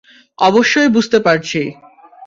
অবশ্যই, বুঝতে পারছি।